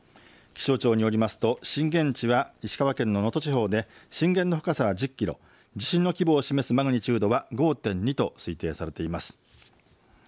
気象庁によりますと震源地は石川県の能登地方で震源の深さは１０キロ、地震の規模を示すマグニチュードは５．２と推定されています。